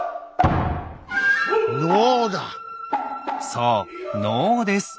そう能です。